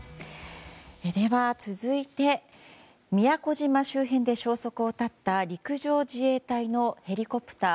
では、続いて宮古島周辺で消息を絶った陸上自衛隊のヘリコプター。